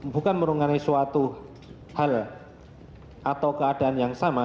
bukan merungani suatu hal atau keadaan yang sama